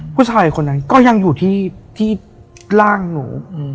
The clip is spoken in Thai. ผู้ชายคนนั้นก็ยังอยู่ที่ร่างหนู